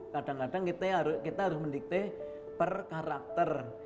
kadang kadang kita harus mendikte per karakter